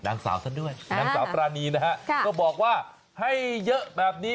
นางสาวซะด้วยนางสาวปรานีนะฮะก็บอกว่าให้เยอะแบบนี้